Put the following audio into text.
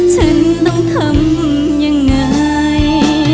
ฉันต้องทำยังไง